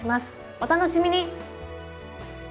お楽しみに！